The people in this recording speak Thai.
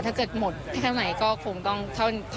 ถ้าเกิดหมดแค่ไหนก็คงต้องเท่านั้นนะคะ